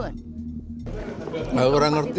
aku kurang ngerti